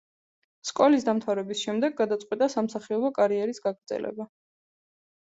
სკოლის დამთავრების შემდეგ გადაწყვიტა სამსახიობო კარიერის გაგრძელება.